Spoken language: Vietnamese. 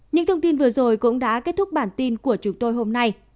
những thông tin vừa rồi cũng đã kết thúc bản tin của chúng tôi hôm nay